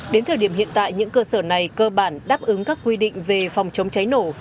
đến thời điểm hiện tại những cơ sở này cơ bản đáp ứng các quy định về phòng chống cháy nổ